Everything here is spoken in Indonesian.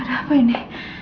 ada apa ini